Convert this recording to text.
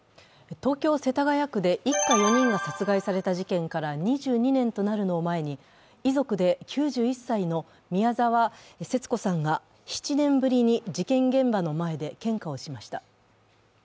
東京・世田谷区で一家４人が殺害された事件から２２年となるのを前に遺族で９１歳の宮沢節子さんが７年ぶりに事件現場の前で献花をしました。